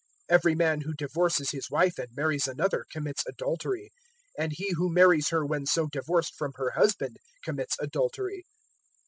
016:018 Every man who divorces his wife and marries another commits adultery; and he who marries her when so divorced from her husband commits adultery.